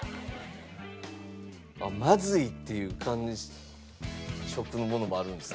まずいっていう感触のものもあるんですね。